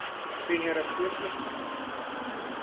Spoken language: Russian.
Ты не рассердишься?